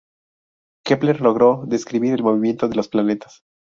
Kepler logró describir el movimiento de los planetas.